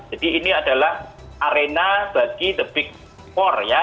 jadi ini adalah arena bagi the big four ya